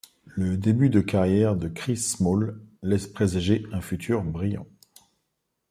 Le début de carrière de Chris Small laisse présager un futur brillant.